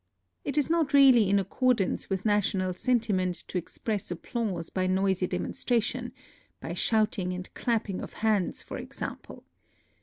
It is not really in accordance with na tional sentiment to express applause by noisy demonstration, — by shouting and clapping of hands, for exam^^le.